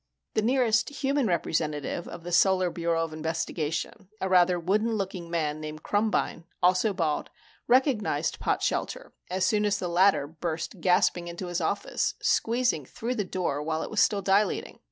The nearest human representative of the Solar Bureau of Investigation, a rather wooden looking man named Krumbine, also bald, recognized Potshelter as soon as the latter burst gasping into his office, squeezing through the door while it was still dilating.